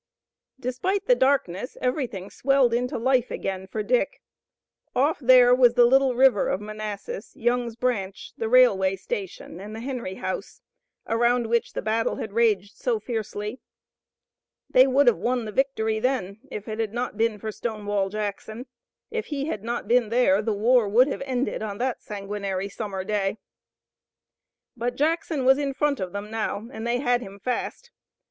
Despite the darkness everything swelled into life again for Dick. Off there was the little river of Manassas, Young's Branch, the railway station, and the Henry House, around which the battle had raged so fiercely. They would have won the victory then if it had not been for Stonewall Jackson. If he had not been there the war would have been ended on that sanguinary summer day. But Jackson was in front of them now, and they had him fast.